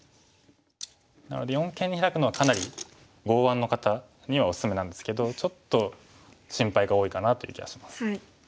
なので四間にヒラくのはかなり剛腕の方にはおすすめなんですけどちょっと心配が多いかなという気がします。